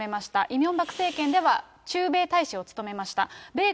イ・ミョンバク政権では駐米大使を務めました。